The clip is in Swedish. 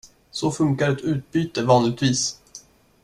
Så funkar ett utbyte vanligtvis.